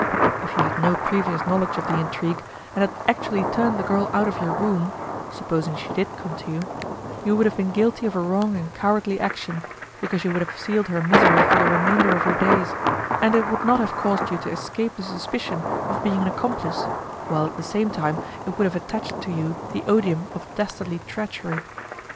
If you had no previous knowledge of the intrigue, and had actually turned the girl out of your room (supposing she did come to you), you would have been guilty of a wrong and cowardly action, because you would have sealed her misery for the remainder of her days, and it would not have caused you to escape the suspicion of being an accomplice, while at the same time it would have attached to you the odium of dastardly treachery.